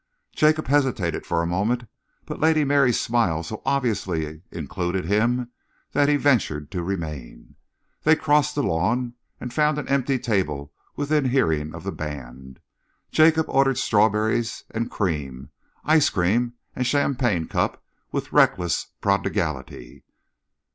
Jacob hesitated for a moment, but Lady Mary's smile so obviously included him that he ventured to remain. They crossed the lawn and found an empty table within hearing of the band. Jacob ordered strawberries and cream, ice cream and champagne cup with reckless prodigality.